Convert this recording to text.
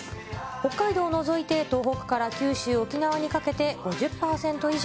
北海道を除いて東北から九州、沖縄にかけて５０％以上。